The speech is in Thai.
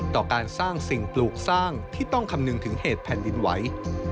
ต่อการสร้างสิ่งปลูกสร้างที่ต้องคำนึงถึงเหตุแผ่นดินไหว